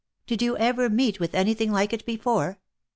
Did you ever meet with any thing like it before?"